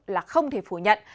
là không thể phủ nhận